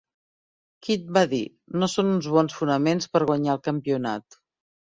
Kidd va dir: no són uns bons fonaments per guanyar el campionat.